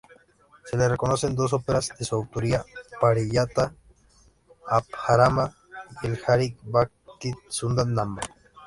Se le reconocen dos óperas de su autoría, el "Pariyatha-apajaranam" y el "Jari-bhakti-sundar-navam.